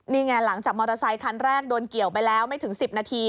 นี่ไงหลังจากมอเตอร์ไซคันแรกโดนเกี่ยวไปแล้วไม่ถึง๑๐นาที